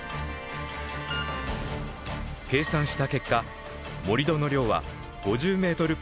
計算した結果盛り土の量は５０メートル